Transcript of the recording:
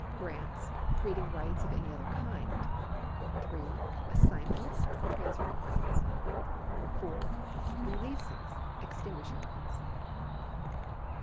Grants — creating rights of any other kind. 3. Assignments — transferring rights. 4. Releases — extinguishing rights.